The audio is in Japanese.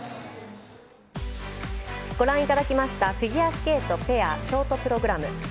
ご覧いただきましたフィギュアスケートペアショートプログラム。